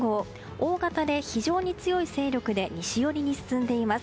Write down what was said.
大型で非常に強い勢力で西寄りに進んでいます。